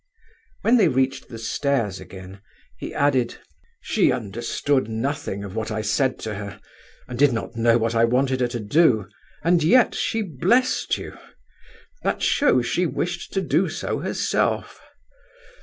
When they reached the stairs again he added: "She understood nothing of what I said to her, and did not know what I wanted her to do, and yet she blessed you; that shows she wished to do so herself.